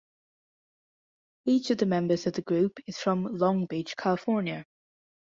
Each of the members of the group is from Long Beach, California.